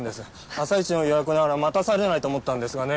朝イチの予約なら待たされないと思ったんですがね。